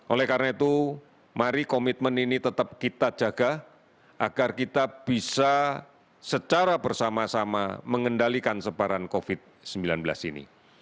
oleh karena itu mari komitmen ini tetap kita jaga agar kita bisa secara bersama sama mengendalikan sebaran covid sembilan belas ini